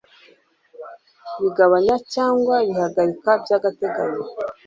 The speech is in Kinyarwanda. bigabanya cyangwa bihagarika by agateganyo